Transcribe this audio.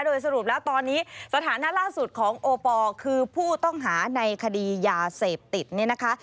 โดยสรุปแล้วตอนนี้สถานะล่าสุดของโอปอลคือผู้ต้องหาในคดียาเสพติดเนี่ยนะคะ